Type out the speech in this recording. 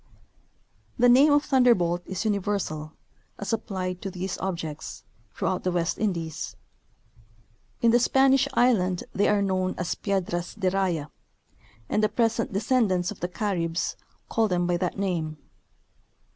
The name of " thunderbolt," is universal, as applied to these objects, throughout the West Indies; in the Spanish island they are known as '^ piedras de 7 aya,^^ and the present descend ants of the Caribs call them by that name.